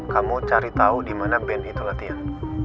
kamu cari tahu di mana band itu latihan